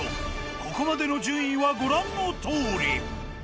ここまでの順位はご覧のとおり。